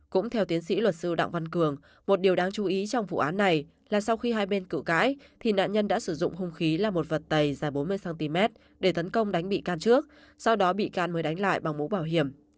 cũng theo tiến sĩ luật sư đặng văn cường một điều đáng chú ý trong vụ án này là sau khi hai bên cự cãi thì nạn nhân đã sử dụng hung khí là một vật tày dài bốn mươi cm để tấn công đánh bị can trước sau đó bị can mới đánh lại bằng mũ bảo hiểm